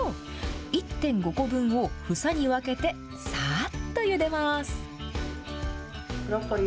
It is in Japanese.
１．５個分を房に分けて、さっとゆでます。